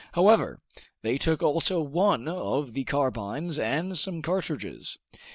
However, they took also one of the carbines and some cartridges.